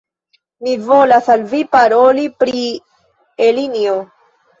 Mi volas al Vi paroli pri Elinjo!